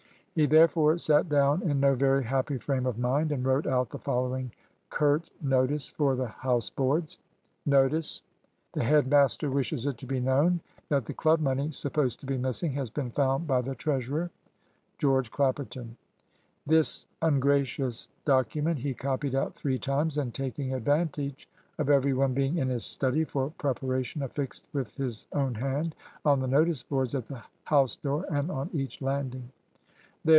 He therefore sat down in no very happy frame of mind and wrote out the following curt notice for the house boards. "Notice. "The head master wishes it to be known that the Club money supposed to be missing has been found by the treasurer. "Geo. Clapperton." This ungracious document he copied out three times, and taking advantage of every one being in his study for preparation, affixed with his own hand on the notice boards at the house door and on each landing. "There!"